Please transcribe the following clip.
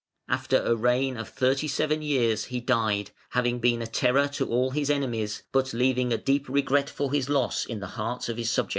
"After a reign of thirty seven years he died, having been a terror to all his enemies, but leaving a deep regret for his loss in the hearts of his subjects".